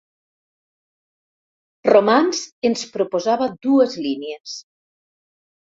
Romans ens proposava dues línies.